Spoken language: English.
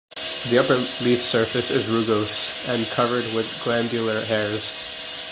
The upper leaf surface is rugose, and covered with glandular hairs.